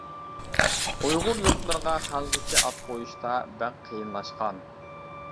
ئۇيغۇر يۇرتلىرىغا خەنزۇچە ئات قويۇشتا بەك قىيىنلاشقان.